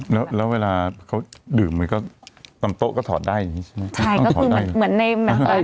แล้วเวลาเขาดื่มไว้ก็ตำโต๊ะก็ถอดได้ใช่ไหม